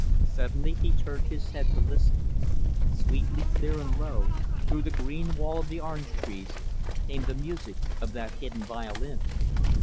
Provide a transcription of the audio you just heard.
Suddenly, he turned his head to listen. Sweetly clear and low, through the green wall of the orange trees, came the music of that hidden violin.